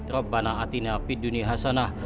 rabbana atina fid duni hasanah